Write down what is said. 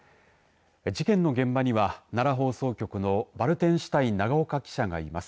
事件の現場には奈良放送局のバルテンシュタイン永岡記者がいます。